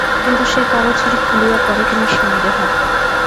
কিন্তু সে কারো চিঠি খুলিয়া পড়ে কি না সন্দেহ।